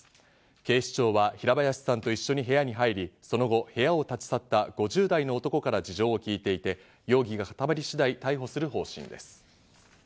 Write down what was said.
警視庁は平林さんと一緒に部屋に入り、その後、部屋を立ち去った５０代の男から事情を聞いていて、容疑が固まり次第、逮捕する方針です。